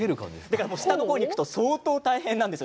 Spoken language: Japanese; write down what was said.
下の方に行くと相当大変なんです。